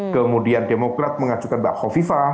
kemudian demokrat mengajukan mbak khofifa